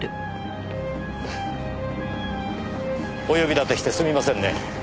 お呼びだてしてすみませんね。